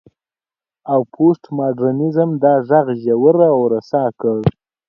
او پوسټ ماډرنيزم دا غږ ژور او رسا کړ.